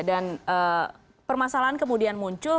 dan permasalahan kemudian muncul